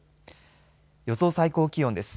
予想最高気温です。